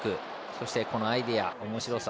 そして、このアイデア、面白さ。